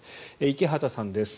池畑さんです。